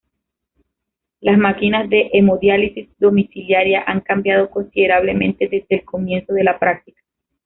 Las máquinas de hemodiálisis domiciliaria han cambiado considerablemente desde el comienzo de la práctica.